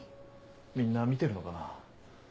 みんな見てるのかな？